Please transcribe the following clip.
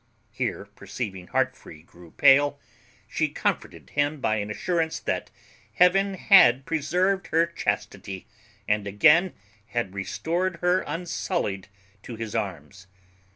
Here, perceiving Heartfree grew pale, she comforted him by an assurance that Heaven had preserved her chastity, and again had restored her unsullied to his arms.